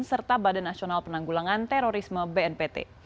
serta badan nasional penanggulangan terorisme bnpt